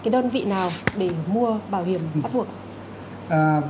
đối với người dân trong cái việc